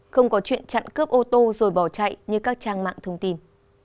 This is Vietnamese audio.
không có chuyện chặn cướp ô tô rồi bỏ chạy như các trang mạng thông tin